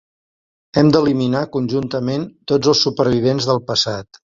Hem d'eliminar conjuntament tots els supervivents del passat.